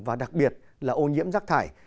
và đặc biệt là ô nhiễm rác thải